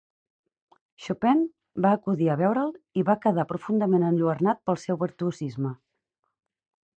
Chopin va acudir a veure'l i va quedar profundament enlluernat pel seu virtuosisme.